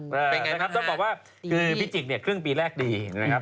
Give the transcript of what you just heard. นะครับต้องบอกว่าคือพิจิกเนี่ยครึ่งปีแรกดีนะครับ